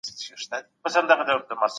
غمونـه دې راكــړي